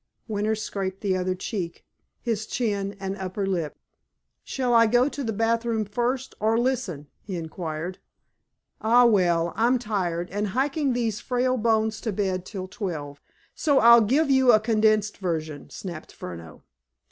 Winter scraped the other cheek, his chin, and upper lip. "Shall I go to the bathroom first, or listen?" he inquired. "Ah, well, I'm tired, and hiking these frail bones to bed till twelve, so I'll give you a condensed version," snapped Furneaux.